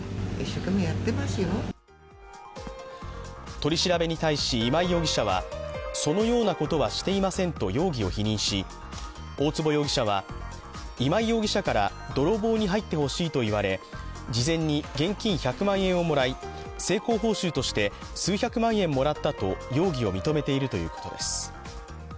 取り調べに対し今井容疑者はそのようなことはしていませんと容疑を否認し大坪容疑者は、今井容疑者から泥棒に入ってほしいと言われ、事前に現金１００万円をもらい成功報酬として数百万円もらったと容疑を認めているということです。